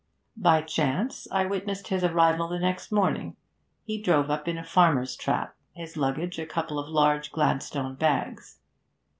By chance I witnessed his arrival the next morning. He drove up in a farmer's trap, his luggage a couple of large Gladstone bags.